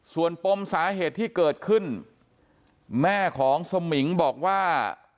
ส่วนปมสาเหตุที่เกิดขึ้นแม่ของสมิงบอกว่า